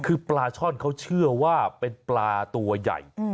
คือปลาช่อนเขาเชื่อว่าเป็นปลาตัวใหญ่